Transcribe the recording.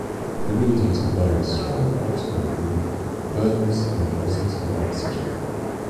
Irradiated by a strong optical beam burns in presence of oxygen.